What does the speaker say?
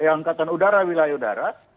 angkatan udara wilayah udara